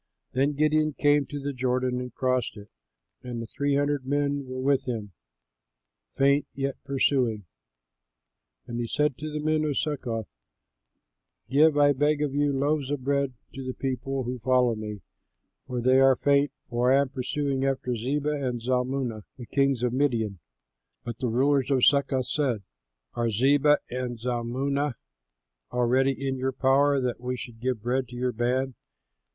Then Gideon came to the Jordan and crossed it, and the three hundred men were with him, faint yet pursuing. And he said to the men of Succoth, "Give, I beg of you, loaves of bread to the people who follow me, for they are faint and I am pursuing after Zebah and Zalmunna, the kings of Midian." But the rulers of Succoth said, "Are Zebah and Zalmunna already in your power that we should give bread to your band?"